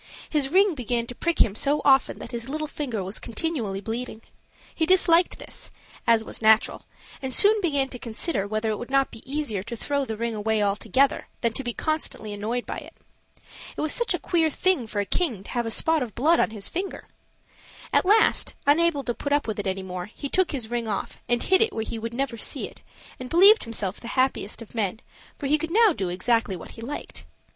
His ring began to prick him so often that his little finger was continually bleeding. He disliked this, as was natural, and soon began to consider whether it would not be easier to throw the ring away altogether than to be constantly annoyed by it. It was such a queer thing for a king to have a spot of blood on his finger! At last, unable to put up with it any more, he took his ring off and hid it where he would never see it; and believed himself the happiest of men, for he could now do exactly what he liked.